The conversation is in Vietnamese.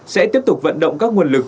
sẽ tiếp tục vận động các nguồn lực